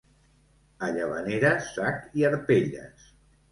A Llavaneres, sac i arpelles.